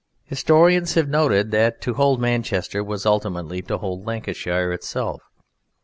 Historians have noted that to hold Manchester was ultimately to hold Lancashire itself.